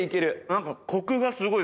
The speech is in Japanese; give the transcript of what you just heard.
何かコクがすごいっす！